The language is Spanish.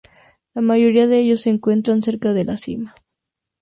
La mayoría de ellos se encuentran cerca de la cima.